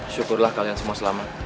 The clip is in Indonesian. syukurlah kalian semua selamat